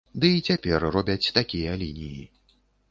Ды і цяпер робяць такія лініі.